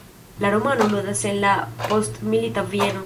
La romano ludas en la postmilita Vieno.